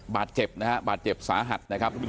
บาดเจ็บซ้าหัด